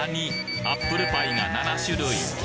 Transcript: アップルパイが７種類！